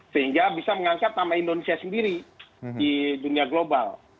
sehingga bisa mengangkat nama indonesia sendiri di dunia global